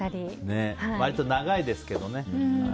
割と長いですけどね。